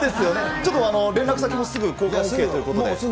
ちょっと連絡先もすぐ交換ＯＫということで。